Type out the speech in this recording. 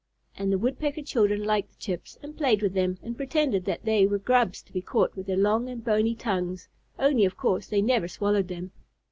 And the Woodpecker children liked the chips, and played with them, and pretended that they were grubs to be caught with their long and bony tongues; only of course they never swallowed them.